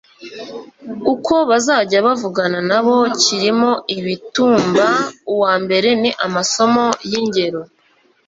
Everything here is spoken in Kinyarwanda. uko bazajya bavugana na bo. kirimo imitumba . uwa mbere ni amasomo y'ingero